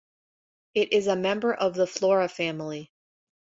It is a member of the Flora family.